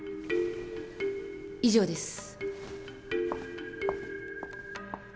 以上です。